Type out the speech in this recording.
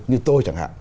như tôi chẳng hạn